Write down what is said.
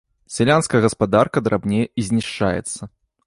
Сялянская гаспадарка драбнее і знішчаецца.